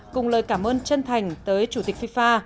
cùng lời cảm ơn chân thành tới chủ tịch fifa